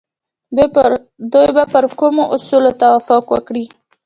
دوی به پر کومو اصولو توافق وکړي؟